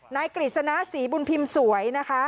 นายกฤษณะสีบุญพิมพ์สวย